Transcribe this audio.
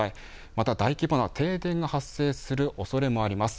また大規模な停電が発生するおそれもあります。